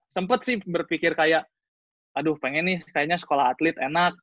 sempat sih berpikir kayak aduh pengen nih kayaknya sekolah atlet enak